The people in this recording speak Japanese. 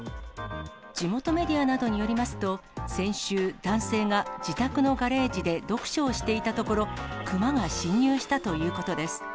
地元メディアなどによりますと、先週、男性が自宅のガレージで読書をしていたところ、熊が侵入したということです。